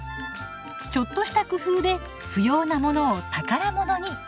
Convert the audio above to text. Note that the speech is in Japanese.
ちょっとした工夫で不要なものを宝物に。